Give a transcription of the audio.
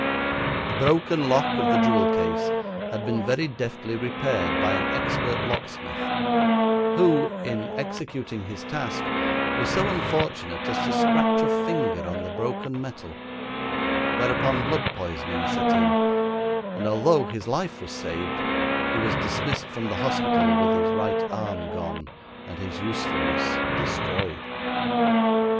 The broken lock of the jewel case had been very deftly repaired by an expert locksmith, who in executing his task was so unfortunate as to scratch a finger on the broken metal, whereupon blood poisoning set in, and although his life was saved, he was dismissed from the hospital with his right arm gone and his usefulness destroyed.